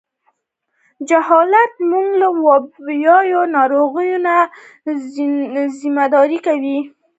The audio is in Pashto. جهالت موږ له وبایي ناروغیو زیانمنوي.